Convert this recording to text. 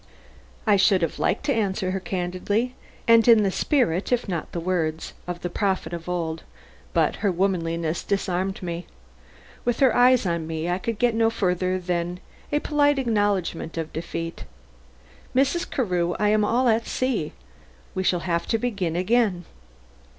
I should have liked to answer her candidly, and in the spirit, if not the words, of the prophet of old, but her womanliness disarmed me. With her eyes on me I could get no further than a polite acknowledgment of defeat. "Mrs. Carew, I am all at sea. We shall have to begin again."